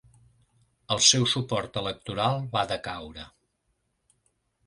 El seu suport electoral va decaure.